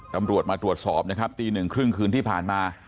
ตำรวจมาตรวจสอบนะครับตีหนึ่งครึ่งคืนที่ผ่านมา